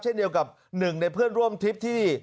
เช่นเดียวกับหนึ่งในเพื่อนร่วมทริปที่